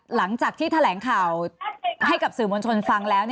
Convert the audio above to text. หลังจากที่แถลงข่าวให้กับสื่อมวลชนฟังแล้ว